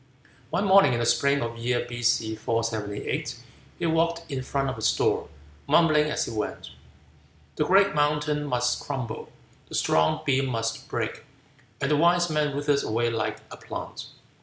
One morning, in the spring of the year B.C. 478, he walked in front of his door, mumbling as he went: "The great mountain must crumble; The strong beam must break; And the wise man withers away like a plant."